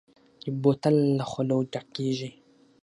بوتل له خولو ډک کېږي.